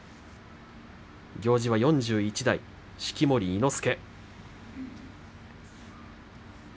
行司は４１代式守伊之助。